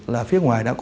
là phía ngoài